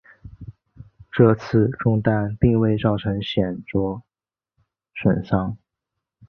这次中弹并未造成显着损伤。